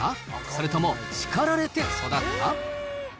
それとも叱られて育った？